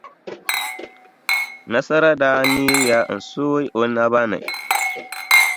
Nasara daa neeya n-sooi o naba ni.